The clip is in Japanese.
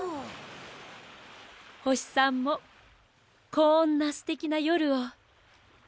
ほしさんもこんなすてきなよるをありがとう。